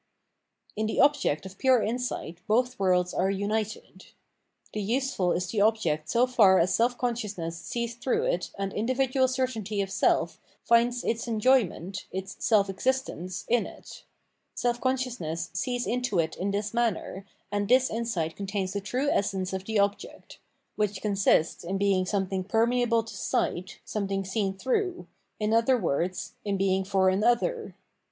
In the obj ect of pure insight both worlds are united. The useful 591 The Result of Enlightenment is tlae object so far as self consciousness sees through it and individual certainty of self finds its enjoyment (its self existence) in it; self consciousness sees into it in this manner, and this insight contains the true essence of the object (which consists in being something perme able to sight, something seen through, in other words, in being for an other).